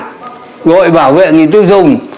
các cơ quan kiểm toán gội bảo vệ nghị tư dùng